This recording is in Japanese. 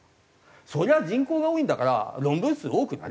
そりゃ人口が多いんだから論文数多くなりますよ。